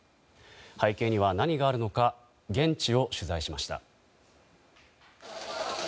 背景には何があるのか現地を取材しました。